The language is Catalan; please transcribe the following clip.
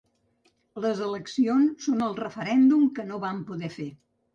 Les eleccions són el referèndum que no vam poder fer.